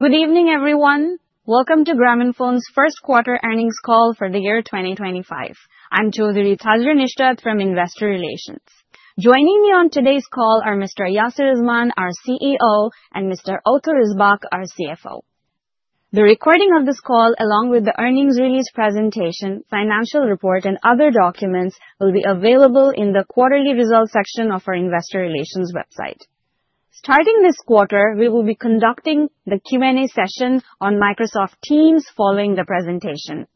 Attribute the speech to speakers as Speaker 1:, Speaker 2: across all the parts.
Speaker 1: Good evening, everyone. Welcome to Grameenphone's first quarter earnings call for the year 2025. I'm Chowdhury Tazrian Israt from Investor Relations. Joining me on today's call are Mr. Yasir Azman, our CEO, and Mr. Otto Risbakk, our CFO. The recording of this call, along with the earnings release presentation, financial report, and other documents, will be available in the quarterly results section of our Investor Relations website. Starting this quarter, we will be conducting the Q&A session on Microsoft Teams following the presentation.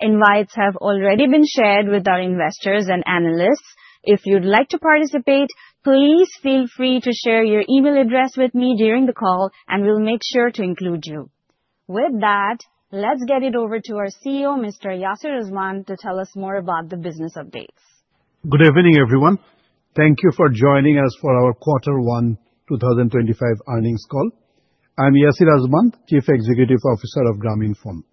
Speaker 1: Invites have already been shared with our investors and analysts. If you'd like to participate, please feel free to share your email address with me during the call, and we'll make sure to include you. With that, let's get it over to our CEO, Mr. Yasir Azman, to tell us more about the business updates.
Speaker 2: Good evening, everyone. Thank you for joining us for our Quarter 1 2025 earnings call. I'm Yasir Azman, Chief Executive Officer of Grameenphone.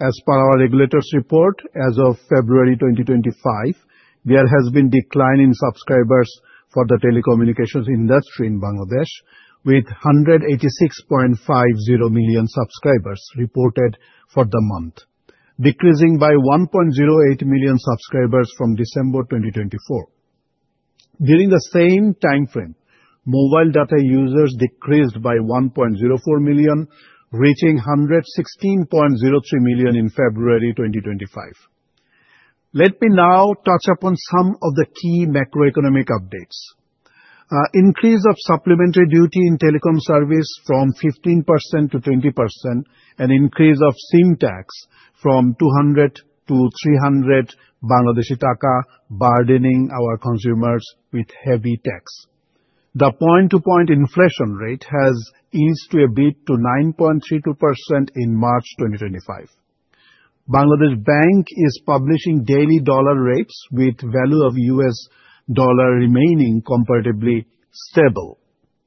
Speaker 2: As per our regulators' report, as of February 2025, there has been a decline in subscribers for the telecommunications industry in Bangladesh, with 186.50 million subscribers reported for the month, decreasing by 1.08 million subscribers from December 2024. During the same time frame, mobile data users decreased by 1.04 million, reaching 116.03 million in February 2025. Let me now touch upon some of the key macroeconomic updates. Increase of supplementary duty in telecom service from 15% to 20%, and increase of SIM Tax from BDT 200-BDT 300, burdening our consumers with heavy tax. The point-to-point inflation rate has eased a bit to 9.32% in March 2025. Bangladesh Bank is publishing daily dollar rates, with the value of US dollar remaining comparatively stable.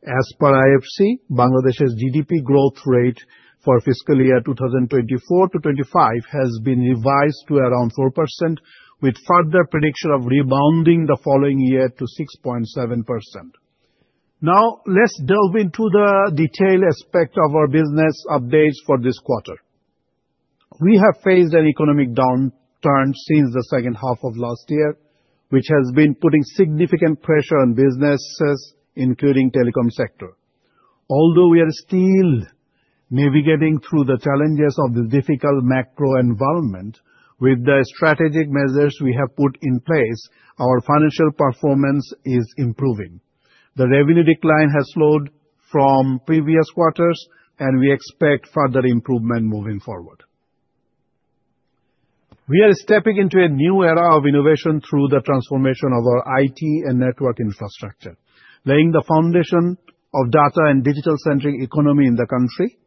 Speaker 2: As per IFC, Bangladesh's GDP growth rate for fiscal year 2024 to 2025 has been revised to around 4%, with further prediction of rebounding the following year to 6.7%. Now, let's delve into the detailed aspect of our business updates for this quarter. We have faced an economic downturn since the second half of last year, which has been putting significant pressure on businesses, including the telecom sector. Although we are still navigating through the challenges of this difficult macro environment, with the strategic measures we have put in place, our financial performance is improving. The revenue decline has slowed from previous quarters, and we expect further improvement moving forward. We are stepping into a new era of innovation through the transformation of our IT and network infrastructure, laying the foundation of a data and digital-centric economy in the country.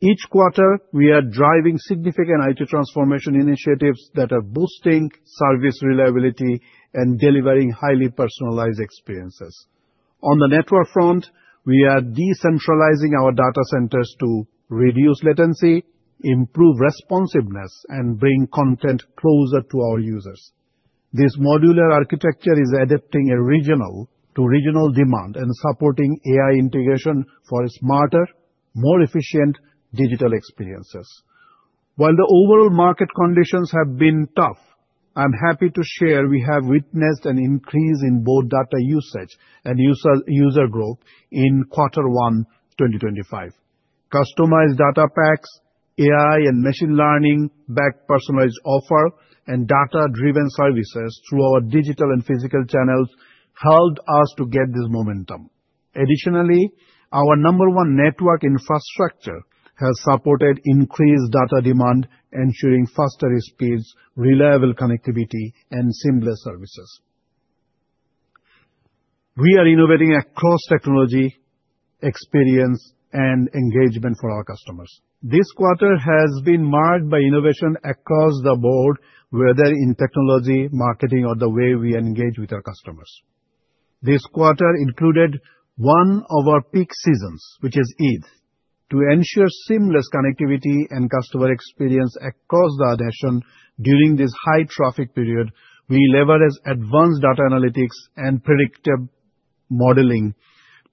Speaker 2: Each quarter, we are driving significant IT transformation initiatives that are boosting service reliability and delivering highly personalized experiences. On the network front, we are decentralizing our data centers to reduce latency, improve responsiveness, and bring content closer to our users. This modular architecture is adapting to regional demand and supporting AI integration for smarter, more efficient digital experiences. While the overall market conditions have been tough, I'm happy to share we have witnessed an increase in both data usage and user growth in Quarter 1 2025. Customized data packs, AI and machine learning-backed personalized offers, and data-driven services through our digital and physical channels helped us to get this momentum. Additionally, our number one network infrastructure has supported increased data demand, ensuring faster speeds, reliable connectivity, and seamless services. We are innovating across technology, experience, and engagement for our customers. This quarter has been marked by innovation across the board, whether in technology, marketing, or the way we engage with our customers. This quarter included one of our peak seasons, which is Eid. To ensure seamless connectivity and customer experience across the nation during this high-traffic period, we leverage advanced data analytics and predictive modeling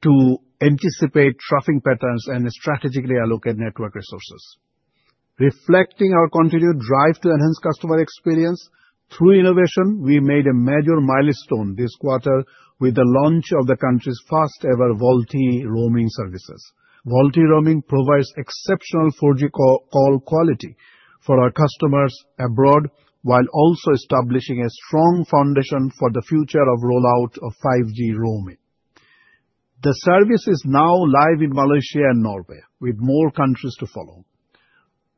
Speaker 2: to anticipate traffic patterns and strategically allocate network resources. Reflecting our continued drive to enhance customer experience through innovation, we made a major milestone this quarter with the launch of the country's first-ever VoLTE roaming services. VoLTE roaming provides exceptional 4G call quality for our customers abroad, while also establishing a strong foundation for the future rollout of 5G roaming. The service is now live in Malaysia and Norway, with more countries to follow.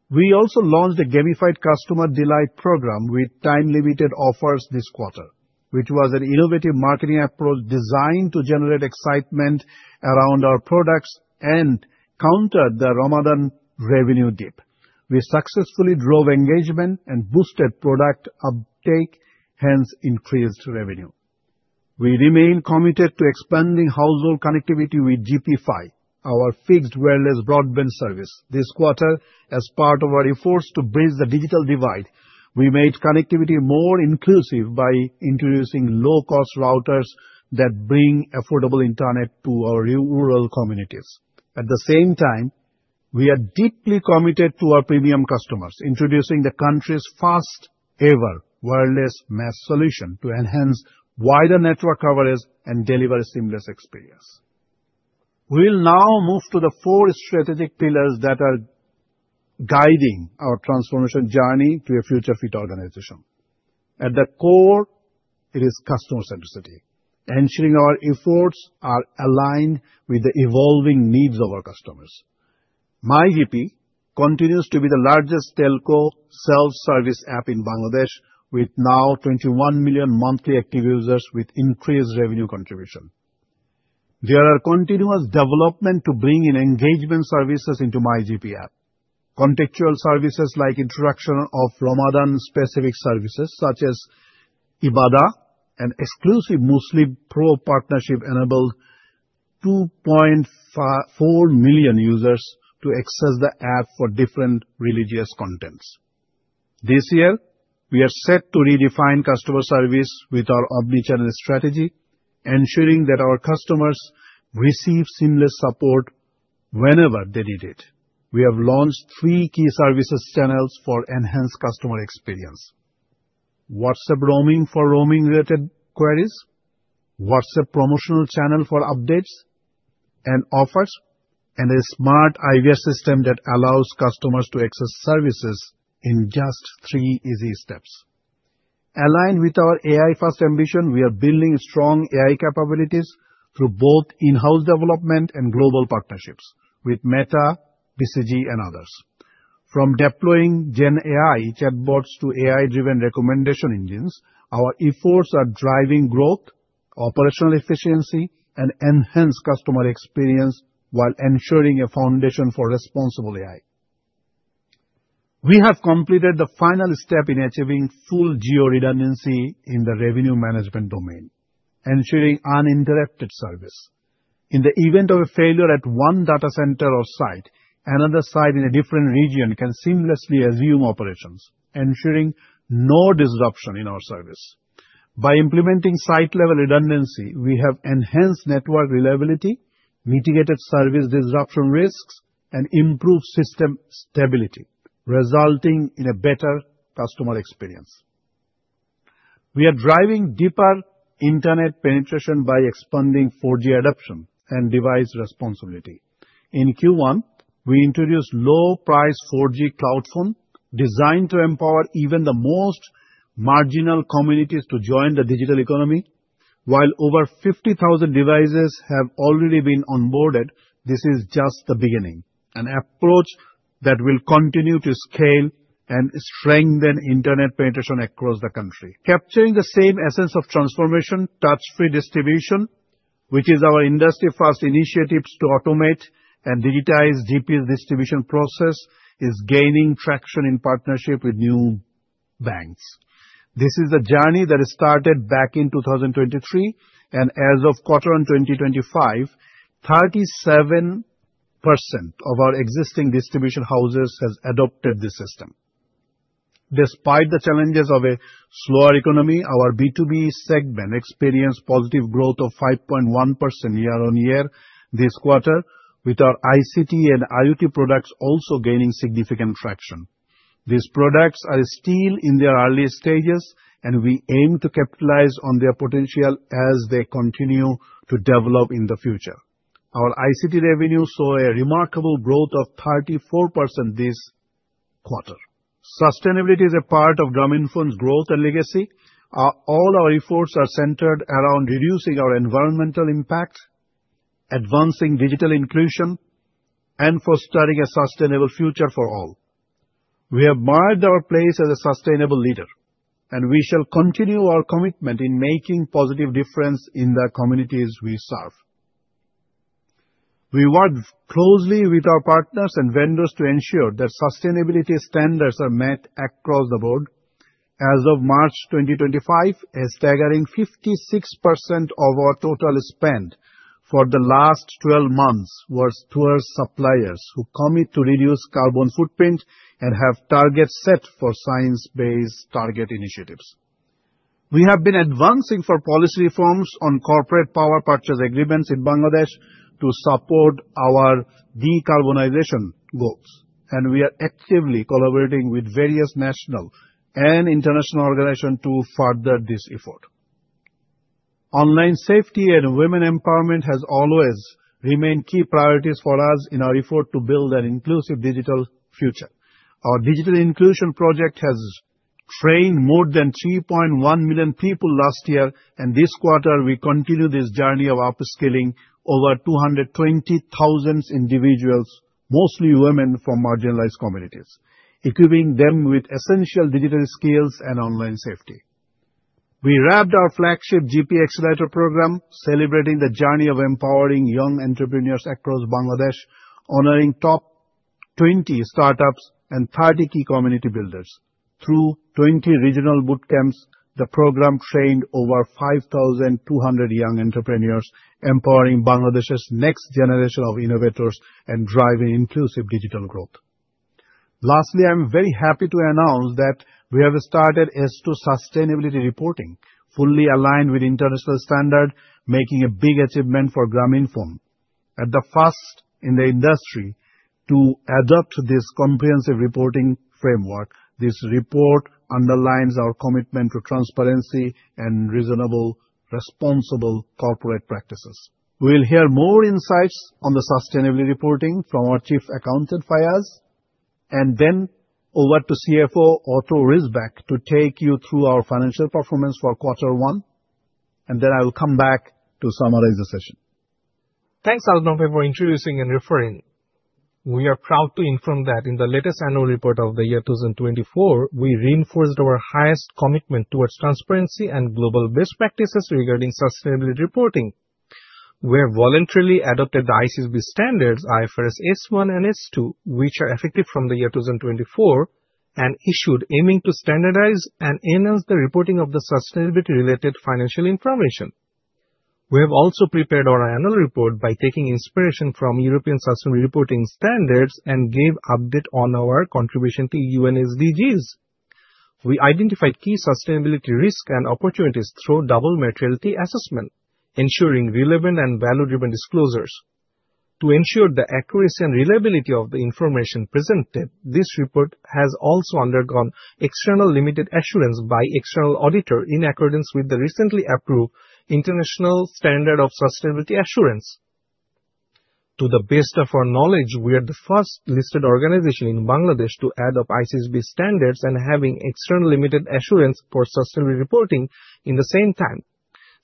Speaker 2: We also launched a gamified customer delight program with time-limited offers this quarter, which was an innovative marketing approach designed to generate excitement around our products and counter the Ramadan revenue dip. We successfully drove engagement and boosted product uptake, hence increased revenue. We remain committed to expanding household connectivity with GPFi, our fixed wireless broadband service. This quarter, as part of our efforts to bridge the digital divide, we made connectivity more inclusive by introducing low-cost routers that bring affordable internet to our rural communities. At the same time, we are deeply committed to our premium customers, introducing the country's first-ever wireless mesh solution to enhance wider network coverage and deliver a seamless experience. We will now move to the four strategic pillars that are guiding our transformation journey to a future-fit organization. At the core, it is customer-centricity, ensuring our efforts are aligned with the evolving needs of our customers. MyGP continues to be the largest telco self-service app in Bangladesh, with now 21 million monthly active users with increased revenue contribution. There are continuous developments to bring in engagement services into MyGP app. Contextual services like introduction of Ramadan-specific services such as Ibadah, an exclusive Muslim Pro partnership enabled 2.4 million users to access the app for different religious contents. This year, we are set to redefine customer service with our omnichannel strategy, ensuring that our customers receive seamless support whenever they need it. We have launched three key services channels for enhanced customer experience: WhatsApp Roaming for roaming-related queries, WhatsApp Promotional Channel for updates and offers, and a smart IVR system that allows customers to access services in just three easy steps. Aligned with our AI-first ambition, we are building strong AI capabilities through both in-house development and global partnerships with Meta, BCG, and others. From deploying GenAI chatbots to AI-driven recommendation engines, our efforts are driving growth, operational efficiency, and enhanced customer experience while ensuring a foundation for responsible AI. We have completed the final step in achieving full geo-redundancy in the revenue management domain, ensuring uninterrupted service. In the event of a failure at one data center or site, another site in a different region can seamlessly resume operations, ensuring no disruption in our service. By implementing site-level redundancy, we have enhanced network reliability, mitigated service disruption risks, and improved system stability, resulting in a better customer experience. We are driving deeper internet penetration by expanding 4G adoption and device responsibility. In Q1, we introduced low-priced 4G cloud phones designed to empower even the most marginal communities to join the digital economy. While over 50,000 devices have already been onboarded, this is just the beginning, an approach that will continue to scale and strengthen internet penetration across the country. Capturing the same essence of transformation, Touch-Free Distribution, which is our industry-first initiative to automate and digitize GP's distribution processes, is gaining traction in partnership with new banks. This is a journey that started back in 2023, and as of Quarter 1 2025, 37% of our existing distribution houses have adopted this system. Despite the challenges of a slower economy, our B2B segment experienced positive growth of 5.1% year-on-year this quarter, with our ICT and IoT products also gaining significant traction. These products are still in their early stages, and we aim to capitalize on their potential as they continue to develop in the future. Our ICT revenue saw a remarkable growth of 34% this quarter. Sustainability is a part of Grameenphone's growth and legacy. All our efforts are centered around reducing our environmental impact, advancing digital inclusion, and fostering a sustainable future for all. We have marked our place as a sustainable leader, and we shall continue our commitment in making a positive difference in the communities we serve. We work closely with our partners and vendors to ensure that sustainability standards are met across the board. As of March 2025, a staggering 56% of our total spend for the last 12 months was towards suppliers who commit to reduce carbon footprint and have targets set for Science Based Targets initiative. We have been advancing policy reforms on Corporate Power Purchase Agreements in Bangladesh to support our decarbonization goals, and we are actively collaborating with various national and international organizations to further this effort. Online safety and women empowerment have always remained key priorities for us in our effort to build an inclusive digital future. Our Digital Inclusion Project has trained more than 3.1 million people last year, and this quarter, we continue this journey of upskilling over 220,000 individuals, mostly women from marginalized communities, equipping them with essential digital skills and online safety. We wrapped our flagship GP Accelerator program, celebrating the journey of empowering young entrepreneurs across Bangladesh, honoring top 20 startups and 30 key community builders. Through 20 regional bootcamps, the program trained over 5,200 young entrepreneurs, empowering Bangladesh's next generation of innovators and driving inclusive digital growth. Lastly, I'm very happy to announce that we have started S2 sustainability reporting, fully aligned with international standards, making a big achievement for Grameenphone. At the first in the industry to adopt this comprehensive reporting framework, this report underlines our commitment to transparency and reasonable, responsible corporate practices. We'll hear more insights on the sustainability reporting from our Chief Accountant, Faiaze and then over to CFO, Otto Risbakk, to take you through our financial performance for Quarter One, and then I will come back to summarize the session.
Speaker 3: Thanks, Azman Bhai, for introducing and referring. We are proud to inform that in the latest annual report of the year 2024, we reinforced our highest commitment towards transparency and global best practices regarding sustainability reporting. We have voluntarily adopted the ISSB standards, IFRS S1 and S2, which are effective from the year 2024, and issued, aiming to standardize and enhance the reporting of sustainability-related financial information. We have also prepared our annual report by taking inspiration from European Sustainability Reporting Standards and gave an update on our contribution to UN SDGs. We identified key sustainability risks and opportunities through double materiality assessment, ensuring relevant and value-driven disclosures. To ensure the accuracy and reliability of the information presented, this report has also undergone external limited assurance by an external auditor in accordance with the recently approved International Standard on Sustainability Assurance. To the best of our knowledge, we are the first listed organization in Bangladesh to adopt ISSB standards and have external limited assurance for sustainability reporting at the same time.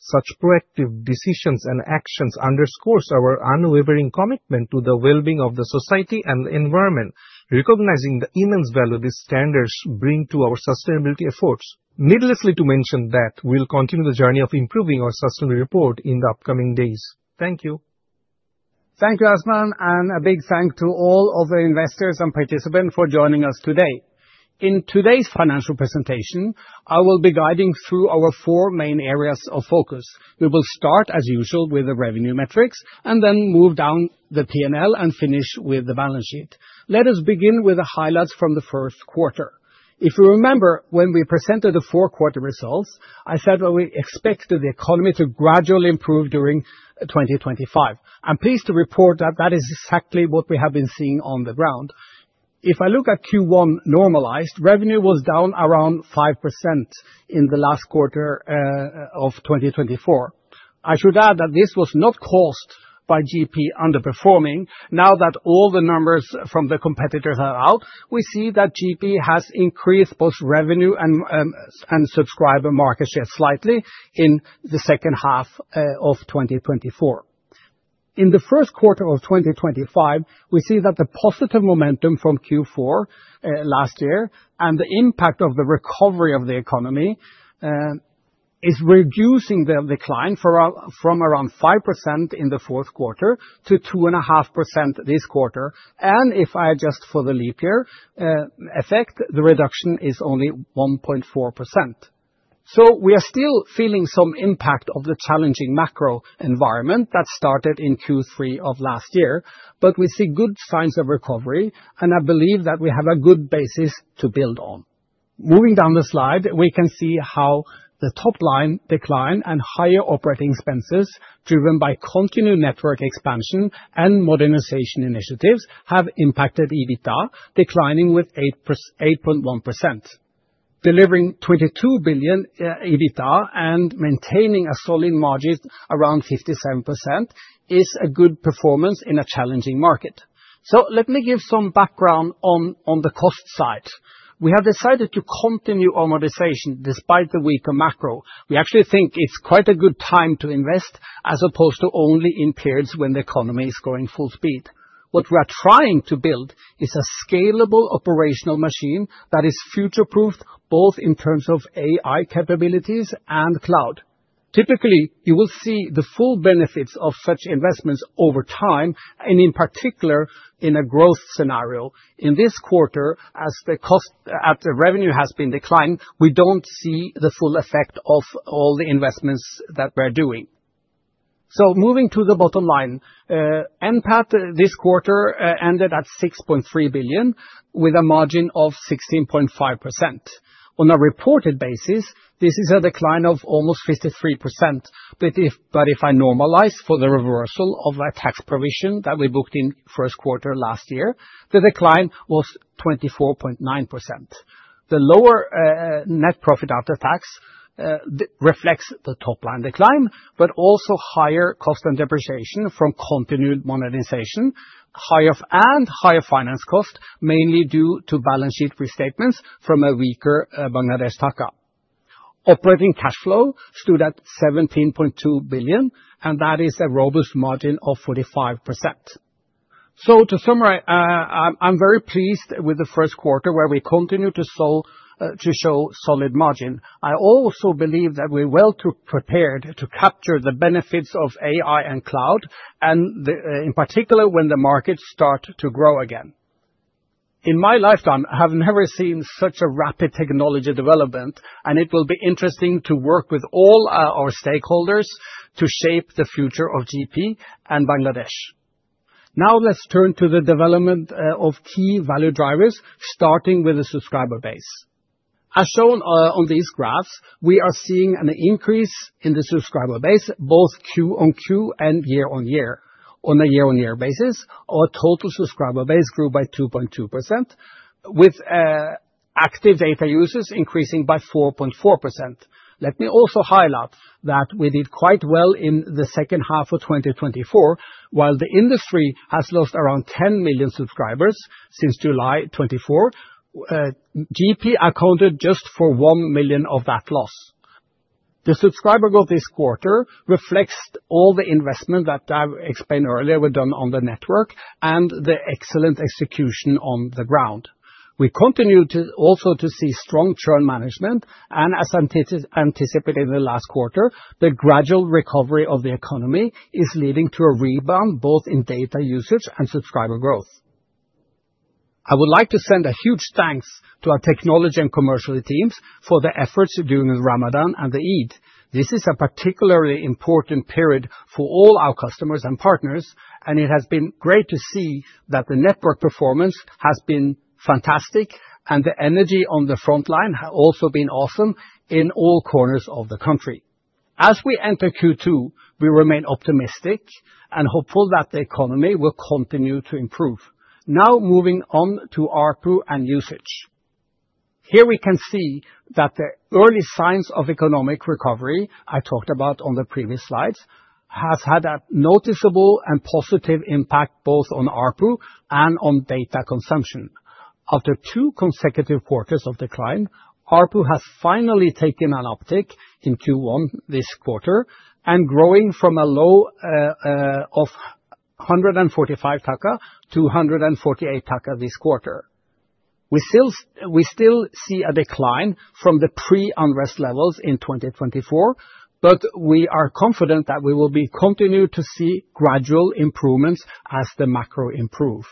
Speaker 3: Such proactive decisions and actions underscore our unwavering commitment to the well-being of society and the environment, recognizing the immense value these standards bring to our sustainability efforts. Needless to mention that we will continue the journey of improving our sustainability report in the upcoming days. Thank you.
Speaker 4: Thank you, Azman, and a big thank you to all of our investors and participants for joining us today. In today's financial presentation, I will be guiding through our four main areas of focus. We will start, as usual, with the revenue metrics and then move down the P&L and finish with the balance sheet. Let us begin with the highlights from the first quarter. If you remember when we presented the fourth quarter results, I said that we expected the economy to gradually improve during 2025. I'm pleased to report that that is exactly what we have been seeing on the ground. If I look at Q1 normalized, revenue was down around 5% in the last quarter of 2024. I should add that this was not caused by GP underperforming. Now that all the numbers from the competitors are out, we see that GP has increased both revenue and subscriber market share slightly in the second half of 2024. In the first quarter of 2025, we see that the positive momentum from Q4 last year and the impact of the recovery of the economy is reducing the decline from around 5% in the fourth quarter to 2.5% this quarter. If I adjust for the leap year effect, the reduction is only 1.4%. We are still feeling some impact of the challenging macro environment that started in Q3 of last year, but we see good signs of recovery, and I believe that we have a good basis to build on. Moving down the slide, we can see how the top-line decline and higher operating expenses driven by continued network expansion and modernization initiatives have impacted EBITDA, declining with 8.1%. Delivering BDT 22 billion EBITDA and maintaining solid margins around 57% is a good performance in a challenging market. Let me give some background on the cost side. We have decided to continue our modernization despite the weaker macro. We actually think it is quite a good time to invest as opposed to only in periods when the economy is going full speed. What we are trying to build is a scalable operational machine that is future-proofed both in terms of AI capabilities and cloud. Typically, you will see the full benefits of such investments over time and, in particular, in a growth scenario. In this quarter, as the cost at the revenue has been declined, we do not see the full effect of all the investments that we are doing. Moving to the bottom line, NPAT this quarter ended at BDT 6.3 billion with a margin of 16.5%. On a reported basis, this is a decline of almost 53%, but if I normalize for the reversal of our tax provision that we booked in the first quarter last year, the decline was 24.9%. The lower net profit after tax reflects the top-line decline, but also higher cost and depreciation from continued modernization, higher and higher finance costs, mainly due to balance sheet restatements from a weaker Bangladeshi Taka. Operating Cash Flow stood at BDT 17.2 billion, and that is a robust margin of 45%. To summarize, I'm very pleased with the first quarter where we continue to show solid margin. I also believe that we're well prepared to capture the benefits of AI and cloud, and in particular, when the markets start to grow again. In my lifetime, I have never seen such a rapid technology development, and it will be interesting to work with all our stakeholders to shape the future of GP and Bangladesh. Now let's turn to the development of key value drivers, starting with the subscriber base. As shown on these graphs, we are seeing an increase in the subscriber base, both Q-on-Q and year-on-year. On a year-on-year basis, our total subscriber base grew by 2.2%, with active data users increasing by 4.4%. Let me also highlight that we did quite well in the second half of 2024. While the industry has lost around 10 million subscribers since July 2024, GP accounted just for 1 million of that loss. The subscriber growth this quarter reflects all the investment that I explained earlier were done on the network and the excellent execution on the ground. We continue to also see strong churn management, and as anticipated in the last quarter, the gradual recovery of the economy is leading to a rebound both in data usage and subscriber growth. I would like to send a huge thanks to our technology and commercial teams for the efforts during Ramadan and the Eid. This is a particularly important period for all our customers and partners, and it has been great to see that the network performance has been fantastic, and the energy on the front line has also been awesome in all corners of the country. As we enter Q2, we remain optimistic and hopeful that the economy will continue to improve. Now moving on to ARPU and usage. Here we can see that the early signs of economic recovery I talked about on the previous slides have had a noticeable and positive impact both on ARPU and on data consumption. After two consecutive quarters of decline, ARPU has finally taken an uptick in Q1 this quarter and is growing from a low of BDT 145-BDT 148 this quarter. We still see a decline from the pre-unrest levels in 2024, but we are confident that we will continue to see gradual improvements as the macro improves.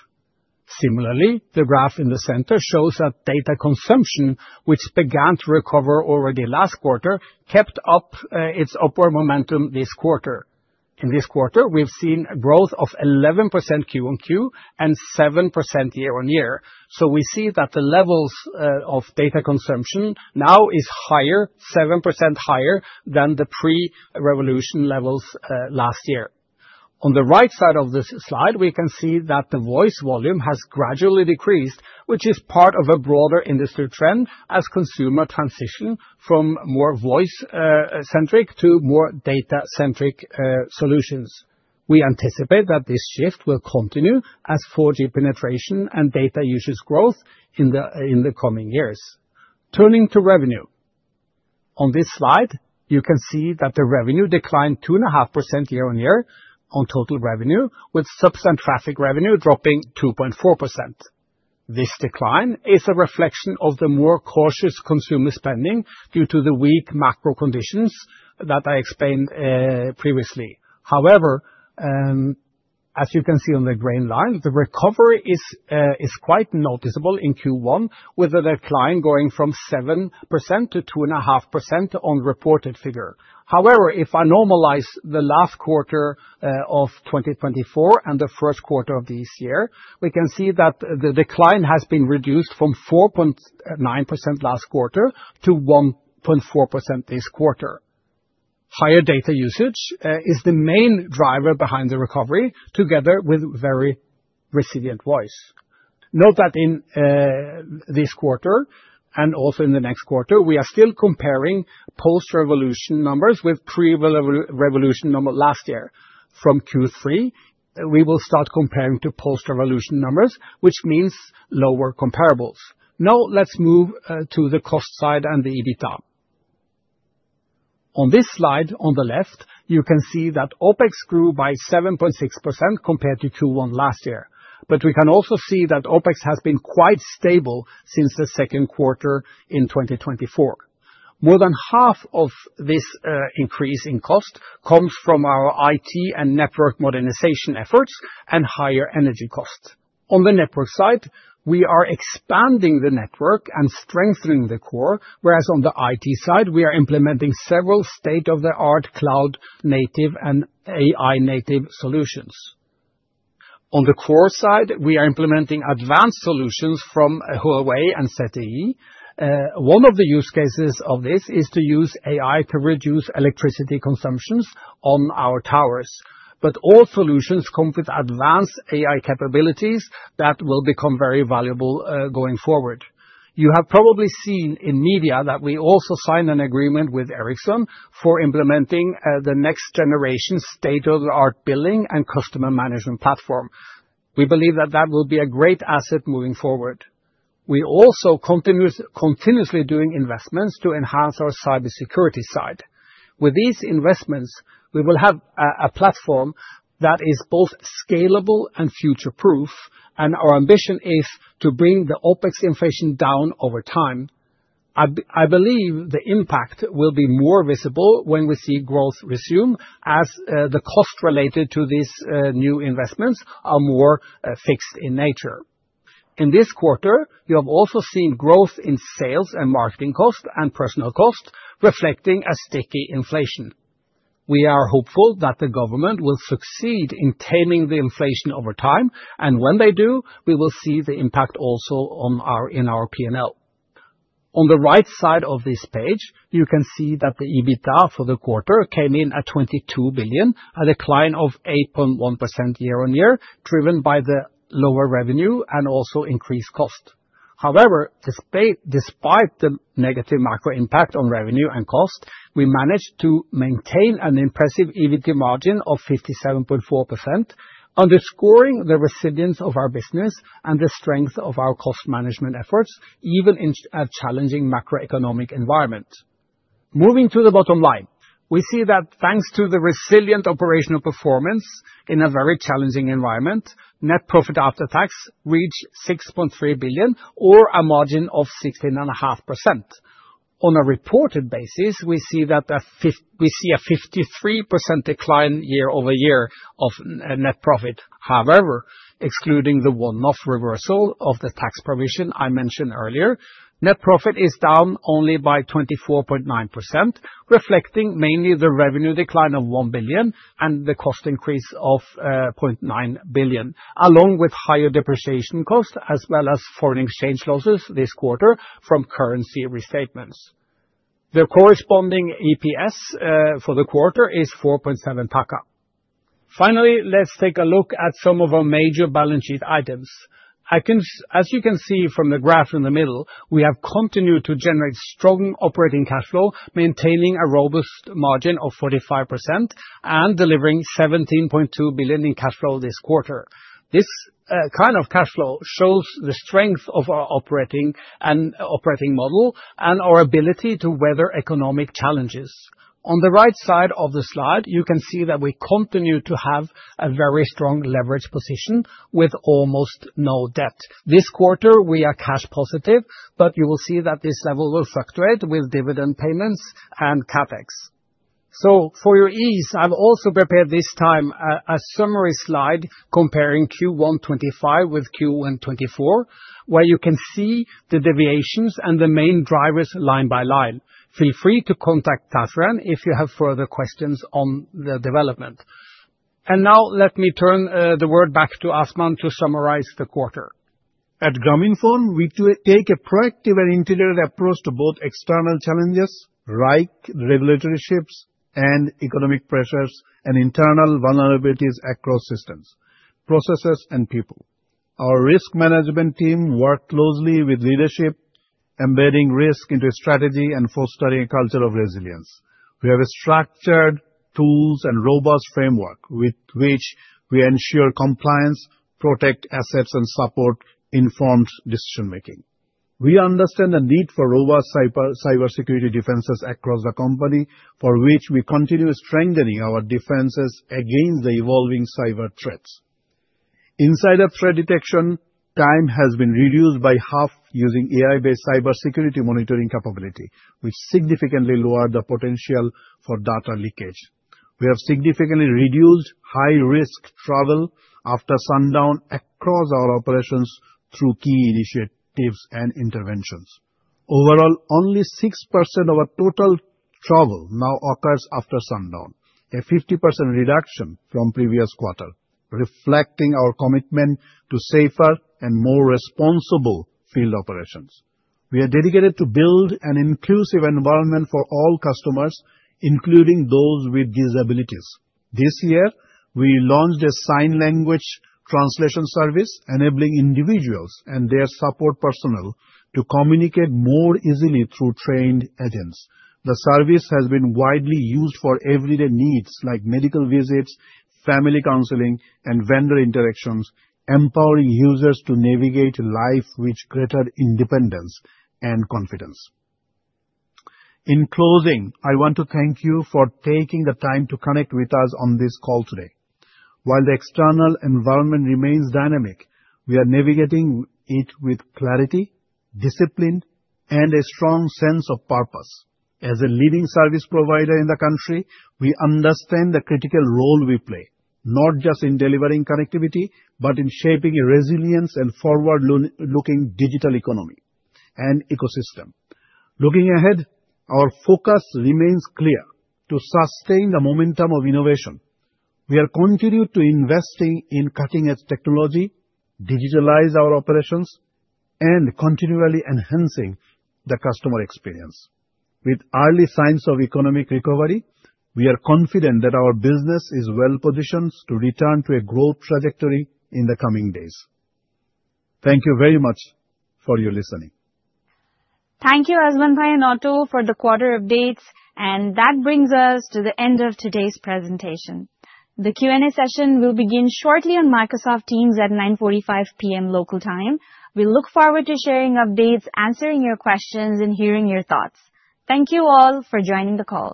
Speaker 4: Similarly, the graph in the center shows that data consumption, which began to recover already last quarter, kept up its upward momentum this quarter. In this quarter, we've seen a growth of 11% Q-on-Q and 7% year-on-year. We see that the levels of data consumption now are higher, 7% higher than the pre-revolution levels last year. On the right side of this slide, we can see that the voice volume has gradually decreased, which is part of a broader industry trend as consumers transition from more voice-centric to more data-centric solutions. We anticipate that this shift will continue as 4G penetration and data usage grow in the coming years. Turning to revenue, on this slide, you can see that the revenue declined 2.5% year on year on total revenue, with substantial traffic revenue dropping 2.4%. This decline is a reflection of the more cautious consumer spending due to the weak macro conditions that I explained previously. However, as you can see on the green line, the recovery is quite noticeable in Q1, with a decline going from 7%-2.5% on the reported figure. However, if I normalize the last quarter of 2024 and the first quarter of this year, we can see that the decline has been reduced from 4.9% last quarter to 1.4% this quarter. Higher data usage is the main driver behind the recovery, together with very resilient voice. Note that in this quarter and also in the next quarter, we are still comparing post-revolution numbers with pre-revolution numbers last year. From Q3, we will start comparing to post-revolution numbers, which means lower comparables. Now let's move to the cost side and the EBITDA. On this slide on the left, you can see that OPEX grew by 7.6% compared to Q1 last year, but we can also see that OPEX has been quite stable since the second quarter in 2024. More than half of this increase in cost comes from our IT and network modernization efforts and higher energy costs. On the network side, we are expanding the network and strengthening the core, whereas on the IT side, we are implementing several state-of-the-art cloud-native and AI-native solutions. On the core side, we are implementing advanced solutions from Huawei and ZTE. One of the use cases of this is to use AI to reduce electricity consumption on our towers, but all solutions come with advanced AI capabilities that will become very valuable going forward. You have probably seen in media that we also signed an agreement with Ericsson for implementing the next-generation state-of-the-art billing and customer management platform. We believe that that will be a great asset moving forward. We are also continuously doing investments to enhance our cybersecurity side. With these investments, we will have a platform that is both scalable and future-proof, and our ambition is to bring the OPEX inflation down over time. I believe the impact will be more visible when we see growth resume as the costs related to these new investments are more fixed in nature. In this quarter, you have also seen growth in sales and marketing costs and personnel costs reflecting a sticky inflation. We are hopeful that the government will succeed in taming the inflation over time, and when they do, we will see the impact also in our P&L. On the right side of this page, you can see that the EBITDA for the quarter came in at BDT 22 billion, a decline of 8.1% year on year, driven by the lower revenue and also increased costs. However, despite the negative macro impact on revenue and costs, we managed to maintain an impressive EBITDA margin of 57.4%, underscoring the resilience of our business and the strength of our cost management efforts, even in a challenging macroeconomic environment. Moving to the bottom line, we see that thanks to the resilient operational performance in a very challenging environment, net profit after tax reached BDT 6.3 billion, or a margin of 16.5%. On a reported basis, we see a 53% decline year over year of net profit. However, excluding the one-off reversal of the tax provision I mentioned earlier, net profit is down only by 24.9%, reflecting mainly the revenue decline of BDT 1 billion and the cost increase of BDT 0.9 billion, along with higher depreciation costs as well as foreign exchange losses this quarter from currency restatements. The corresponding EPS for the quarter is BDT 4.7. Finally, let's take a look at some of our major balance sheet items. As you can see from the graph in the middle, we have continued to generate strong operating cash flow, maintaining a robust margin of 45% and delivering BDT 17.2 billion in cash flow this quarter. This kind of cash flow shows the strength of our operating and operating model and our ability to weather economic challenges. On the right side of the slide, you can see that we continue to have a very strong leverage position with almost no debt. This quarter, we are cash positive, but you will see that this level will fluctuate with dividend payments and CapEx. For your ease, I've also prepared this time a summary slide comparing Q1 2025 with Q1 2024, where you can see the deviations and the main drivers line by line. Feel free to contact Tazrian if you have further questions on the development. Let me turn the word back to Azman to summarize the quarter.
Speaker 2: At Grameenphone, we take a proactive and integrated approach to both external challenges, like regulatory shifts and economic pressures, and internal vulnerabilities across systems, processes, and people. Our risk management team works closely with leadership, embedding risk into strategy and fostering a culture of resilience. We have structured tools and a robust framework with which we ensure compliance, protect assets, and support informed decision-making. We understand the need for robust cybersecurity defenses across the company, for which we continue strengthening our defenses against the evolving cyber threats. Insider threat detection time has been reduced by half using AI-based cybersecurity monitoring capability, which significantly lowers the potential for data leakage. We have significantly reduced high-risk travel after sundown across our operations through key initiatives and interventions. Overall, only 6% of our total travel now occurs after sundown, a 50% reduction from the previous quarter, reflecting our commitment to safer and more responsible field operations. We are dedicated to building an inclusive environment for all customers, including those with disabilities. This year, we launched a sign language translation service, enabling individuals and their support personnel to communicate more easily through trained agents. The service has been widely used for everyday needs like medical visits, family counseling, and vendor interactions, empowering users to navigate life with greater independence and confidence. In closing, I want to thank you for taking the time to connect with us on this call today. While the external environment remains dynamic, we are navigating it with clarity, discipline, and a strong sense of purpose. As a leading service provider in the country, we understand the critical role we play, not just in delivering connectivity, but in shaping a resilient and forward-looking digital economy and ecosystem. Looking ahead, our focus remains clear to sustain the momentum of innovation. We are continuing to invest in cutting-edge technology, digitalize our operations, and continually enhance the customer experience. With early signs of economic recovery, we are confident that our business is well-positioned to return to a growth trajectory in the coming days. Thank you very much for your listening.
Speaker 1: Thank you, Azman Bhai and Otto, for the quarter updates, and that brings us to the end of today's presentation. The Q&A session will begin shortly on Microsoft Teams at 9:45 P.M. local time. We look forward to sharing updates, answering your questions, and hearing your thoughts. Thank you all for joining the call.